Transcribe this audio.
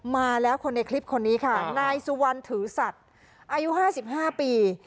มาแล้วคนในคลิปคนนี้ค่ะนายสุวรรณถือสัตว์อายุ๕๕ปี